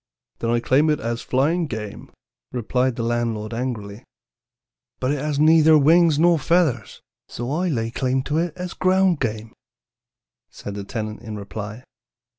"'Then I claim it as flying game,' replied the landlord angrily. "'But it has neither wings nor feathers, so I lay claim to it as ground game,' said the tenant in reply.